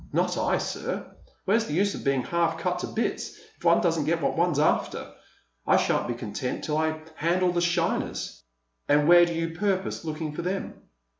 "Not I, sir! Where's the use of being half cut to bits if one doesn't get what one's after? I shan't be content till I handle the shiners." "And where do you purpose looking for them?"